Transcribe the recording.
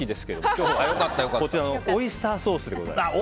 今日はオイスターソースでございます。